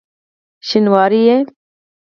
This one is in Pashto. شینواری یې؟!